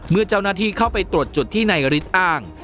เมื่อเจ้าหน้าที่เข้าไปตรวจจุดที่นายฤทธิ์อ้าง